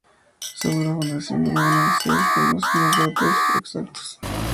Sobre la fundación de Muna se desconocen los datos exactos.